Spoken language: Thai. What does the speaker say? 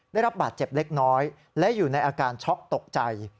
ได้รับบาดเจ็บเล็กน้อยและอยู่ในอาการช็อกตกใจ